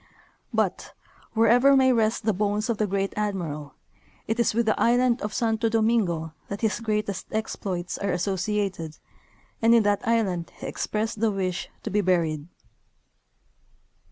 But, wherever may rest the bones of the Great Admiral, it is with the island of Santo Domingo that his greatest exj3loits are associated, and in that island he expressed the wish to be buried.